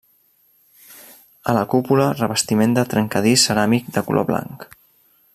A la cúpula revestiment de trencadís ceràmic de color blanc.